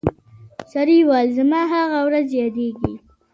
سړي وویل زما هغه ورځ یادیږي